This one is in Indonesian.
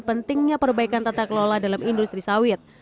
pentingnya perbaikan tata kelola dalam industri sawit